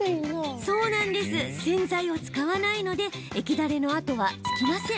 洗剤を使わないので液垂れの跡はつきません。